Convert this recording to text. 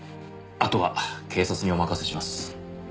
あとは警察にお任せします。